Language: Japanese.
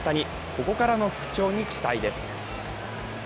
ここからの復調に期待です。